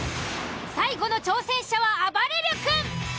最後の挑戦者はあばれる君。